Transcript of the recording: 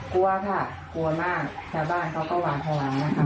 กลัวค่ะกลัวมากแต่บ้านเขาก็หวานธวงนะครับ